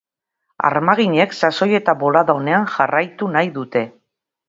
Armaginek sasoi eta bolada onean jarraitu nahi dute.